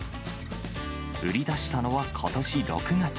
売り出したのは、ことし６月。